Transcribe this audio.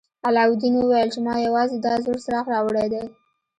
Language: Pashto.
علاوالدین وویل چې ما یوازې دا زوړ څراغ راوړی دی.